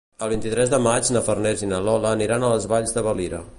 El vint-i-tres de maig na Farners i na Lola aniran a les Valls de Valira.